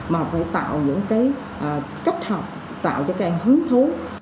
mà phải tạo những cái cách học tạo cho các em hứng thú